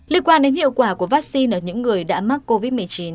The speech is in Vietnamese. liên quan đến hiệu quả của vaccine ở những người đã mắc covid một mươi chín